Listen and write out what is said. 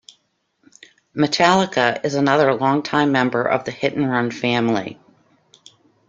Metallica is another longtime member of the Hit and Run family.